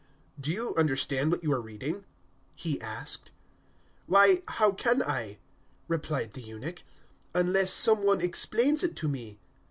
"Do you understand what you are reading?" he asked. 008:031 "Why, how can I," replied the eunuch, "unless some one explains it to me?"